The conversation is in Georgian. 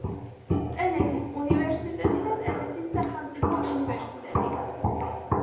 ტენესის უნივერსიტეტი და ტენესის სახელმწიფო უნივერსიტეტი.